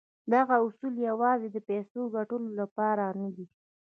دغه اصول يوازې د پيسو ګټلو لپاره نه دي.